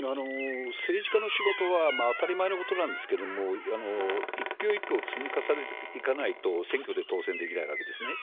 政治家の仕事は、当たり前のことなんですけれども、一票一票を積み重ねていかないと選挙で当選できないわけですね。